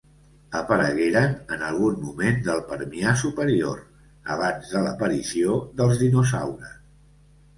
Aparegueren en algun moment del Permià superior, abans de l'aparició dels dinosaures.